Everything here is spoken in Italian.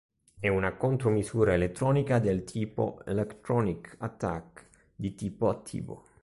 È una contromisura elettronica del tipo Electronic Attack di tipo attivo.